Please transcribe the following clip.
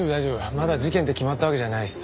まだ事件って決まったわけじゃないしさ。